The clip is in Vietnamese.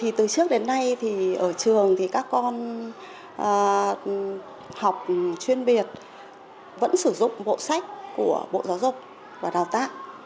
thì từ trước đến nay thì ở trường thì các con học chuyên việt vẫn sử dụng bộ sách của bộ giáo dục và đào tạc